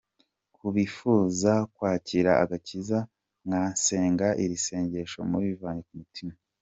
Ku bifunza kwakira agakiza mwasenga iri nsegesho mubivanye ku mutima: .